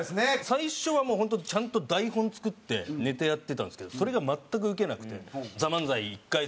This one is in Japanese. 最初はもう本当ちゃんと台本作ってネタやってたんですけどそれが全くウケなくて。